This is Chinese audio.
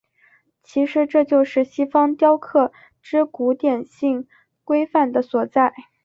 其实这就是西方雕刻之古典性规范的所在。